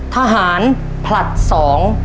ทหารผลัดสอง